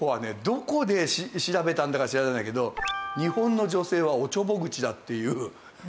どこで調べたんだか知らないけど日本の女性はおちょぼ口だっていう。